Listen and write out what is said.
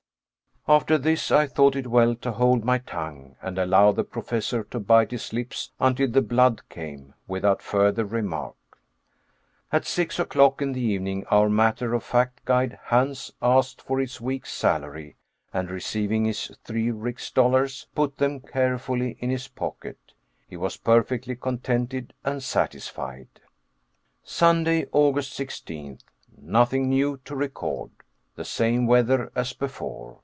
After this I thought it well to hold my tongue, and allow the Professor to bite his lips until the blood came, without further remark. At six o'clock in the evening, our matter of fact guide, Hans, asked for his week's salary, and receiving his three rix dollars, put them carefully in his pocket. He was perfectly contented and satisfied. Sunday, August 16th. Nothing new to record. The same weather as before.